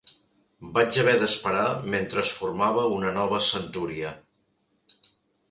Vaig haver d'esperar mentre es formava una nova centúria.